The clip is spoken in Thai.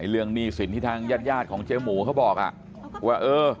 เรื่องหนี้สินที่ทางญาติของเจมส์หมู่เขาบอกว่า